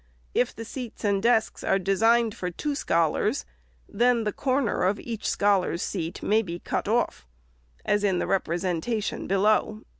If the seats and desks are designed for two scholars, then the corner of each scholar's seat may be cut off, as in the representation below.